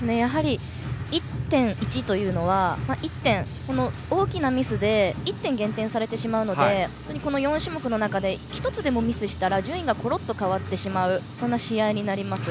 １．１というのは大きなミスで１点減点されてしまうのでこの４種目の中で１つでもミスしたら順位がころっと変わってしまう試合になります。